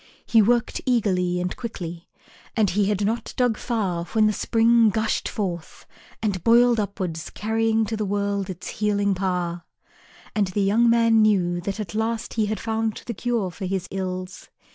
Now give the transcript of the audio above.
He worked eagerly and quickly, and he had not dug far when the spring gushed forth and boiled upwards carrying to the world its healing power. And the young man knew that at last he had found the cure for his ills.